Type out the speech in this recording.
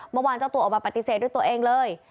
เมื่อวานเจ้าตัวออกมาปฏิเสธด้วยตัวเองเลย